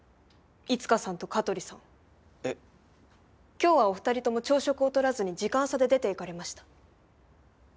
今日はお二人とも朝食をとらずに時間差で出ていかれました。